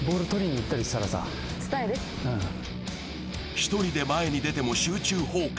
１人で前に出ても集中砲火。